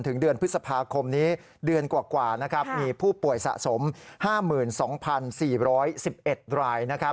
เดือนพฤษภาคมนี้เดือนกว่ามีผู้ป่วยสะสม๕๒๔๑๑ราย